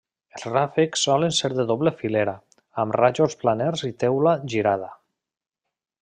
Els ràfecs solen ser de doble filera, amb rajols planers i teula girada.